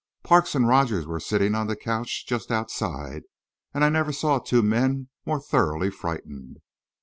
Parks and Rogers were sitting on the couch just outside and I never saw two men more thoroughly frightened.